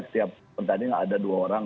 setiap pertandingan ada dua orang